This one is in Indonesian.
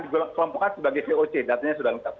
dikelompokkan sebagai voc datanya sudah lengkap